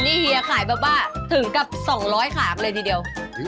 นี่มดทำร้อยขากเลยทีเดียว